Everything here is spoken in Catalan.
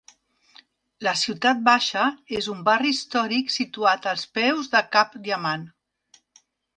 La Ciutat Baixa és un barri històric situat als peus de cap Diamant.